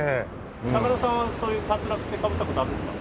高田さんはそういうかつらってかぶった事あるんですか？